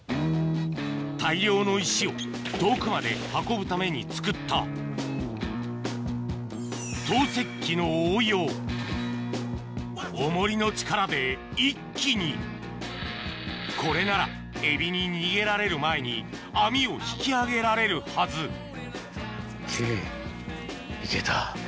大量の石を遠くまで運ぶために作った投石機の応用オモリの力で一気にこれならエビに逃げられる前に網を引き上げられるはず行けた。